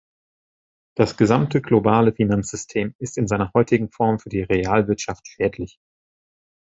Das gesamte globale Finanzsystem ist in seiner heutigen Form für die Realwirtschaft schädlich.